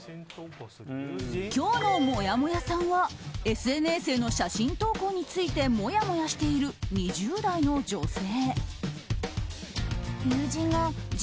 今日のもやもやさんはＳＮＳへの写真投稿についてもやもやしている２０代の女性。